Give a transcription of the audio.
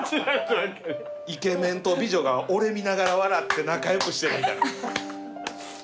イケメンと美女が俺見ながら笑って仲良くしてるみたいな。